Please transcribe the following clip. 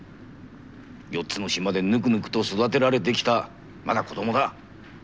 ４つの島でぬくぬくと育てられてきたまだ子供だ。